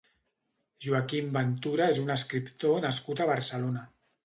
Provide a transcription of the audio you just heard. Joaquim Ventura és un escriptor nascut a Barcelona.